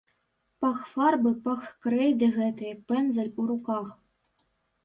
Пах фарбы, пах крэйды гэтай, пэндзаль у руках.